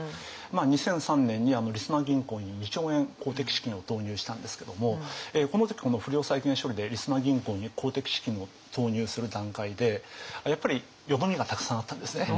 ２００３年にりそな銀行に２兆円公的資金を投入したんですけどもこの時この不良債権処理でりそな銀行に公的資金を投入する段階でやっぱり淀みがたくさんあったんですね。